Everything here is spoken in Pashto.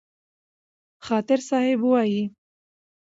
خاطر صاحب وايي: